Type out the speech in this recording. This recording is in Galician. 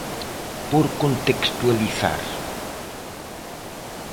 Por contextualizar.